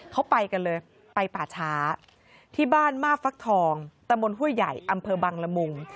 เขาไปกันเลยไปป่าช้าที่บ้านมาบฟักทองตะมนต์ห้วยใหญ่อำเภอบังละมุง